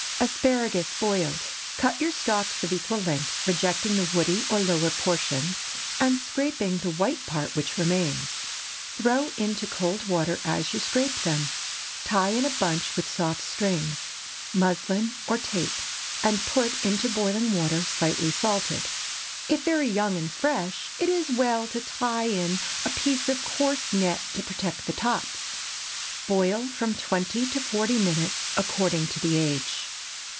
ASPARAGUS (boiled.) Cut your stalks of equal length, rejecting the woody or lower portions, and scraping the white part which remains. Throw into cold water as you scrape them. Tie in a bunch with soft strings—muslin or tape—and put into boiling water slightly salted. If very young and fresh, it is well to tie in a piece of coarse net to protect the tops. Boil from twenty to forty minutes, according to the age.